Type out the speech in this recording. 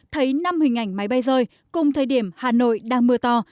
thấy năm hình ảnh máy bay rơi cùng thời điểm hà nội đang mưa to